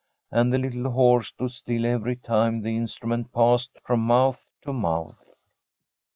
And the little horse stood still every time the instru ment passed from mouth to mouth.